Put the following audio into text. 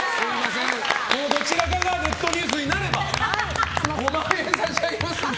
どちらかがネットニュースになれば５万円差し上げますので。